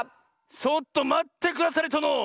ちょっとまってくだされとの！